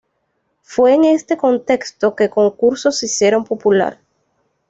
Fue en este contexto que concursos se hicieron popular.